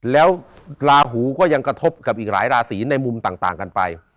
แล้วลาหูก็ยังกระทบกับอีกหลายราศีในมุมต่างกันไป